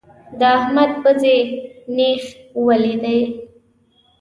د احمد پزې نېښ ولی دی.